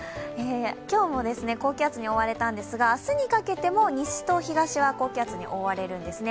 今日も高気圧に覆われたんですが、明日にかけても西と東は高気圧に覆われるんですね。